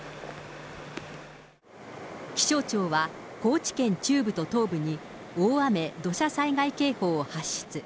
気象庁は高知県中部と東部に、大雨・土砂災害警報を発出。